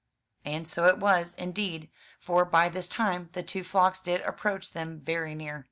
And so it was, indeed; for by this time the two flocks did approach them very near.